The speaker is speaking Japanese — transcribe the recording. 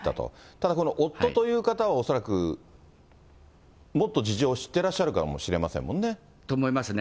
ただ、この夫という方は恐らくもっと事情を知ってらっしゃるかもしれまと思いますね。